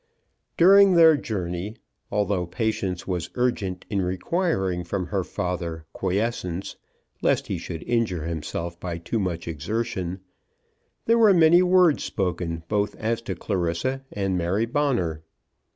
During their journey, although Patience was urgent in requiring from her father quiescence, lest he should injure himself by too much exertion, there were many words spoken both as to Clarissa and Mary Bonner.